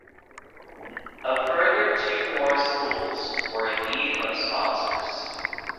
A further two more schools were in need of sponsors.